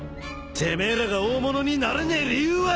てめえらが大物にならねえ理由は！